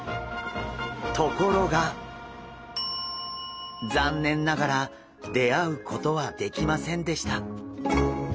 ところが残念ながら出会うことはできませんでした。